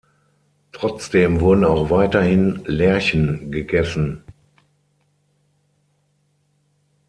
Trotzdem wurden auch weiterhin Lerchen gegessen.